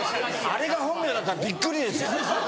あれが本名だったらびっくりです。